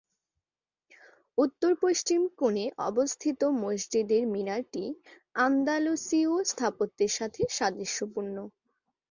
উত্তর-পশ্চিম কোণে অবস্থিত মসজিদের মিনারটি আন্দালুসীয় স্থাপত্যের সাথে সাদৃশ্যপূর্ণ।